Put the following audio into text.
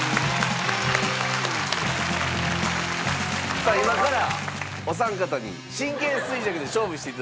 さあ今からお三方に神経衰弱で勝負して頂きます。